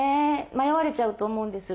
迷われちゃうと思うんです。